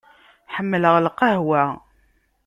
Ḥemmleɣ lqahwa.